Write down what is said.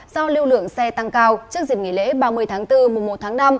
do lưu lượng xe tăng cao trước dịp nghỉ lễ ba mươi tháng bốn mùa một tháng năm